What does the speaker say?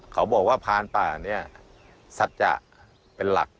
เขาบอกว่าพานป่าเนี่ยสัจจะเป็นหลัก